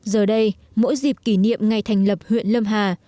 giờ đây mỗi dịp kỷ niệm ngày thành lập huyện lâm hà